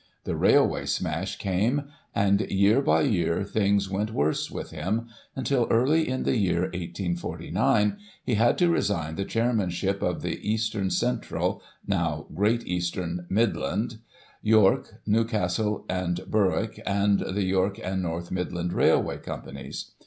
The Railway smash came ; and, year by year, things went worse with him, until, early in the year 1849, he had to resign the Chairmanship of the Eastern Central (now Great Eastern), Midland, York, Newcastle and Berwick, and the York and North Midland Railway Companies.